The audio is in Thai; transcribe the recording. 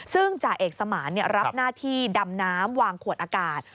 ซึ่งจ่าเอกสมานรับหน้าที่ดำน้ำวางขวดอากาศ